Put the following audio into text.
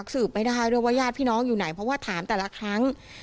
สืบไม่ได้ด้วยว่าญาติพี่น้องอยู่ไหนเพราะว่าถามแต่ละครั้ง